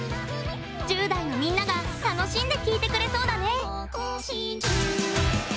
１０代のみんなが楽しんで聴いてくれそうだね